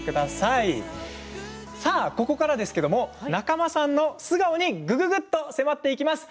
ここからは仲間さんの素顔にぐぐぐっと迫っていきます。